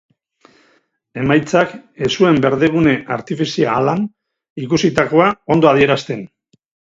Emaitzak ez zuen berdegune artifizialan ikusitakoa ondo adierazten.